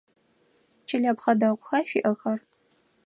Чылэпхъэ дэгъуха шъуиӏэхэр?